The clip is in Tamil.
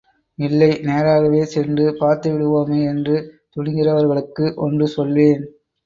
இல்லை நேராகவே சென்று பார்த்து விடுவோமே என்று துணிகிறவர்களுக்கு ஒன்று சொல்வேன்.